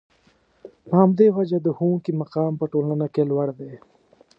په همدې وجه د ښوونکي مقام په ټولنه کې لوړ دی.